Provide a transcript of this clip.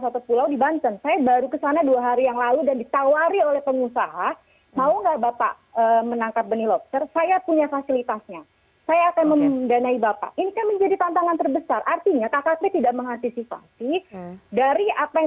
apakah kemudian ada potensi konflik kepentingan